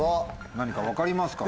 何か分かりますかね？